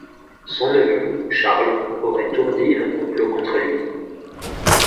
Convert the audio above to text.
Son neveu, Charles, aurait, ourdi un complot contre lui.